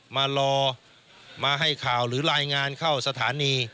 มารอมาให้ข่าวหรือรายงานเข้าสถานี